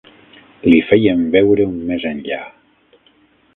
Li feien veure un més enllà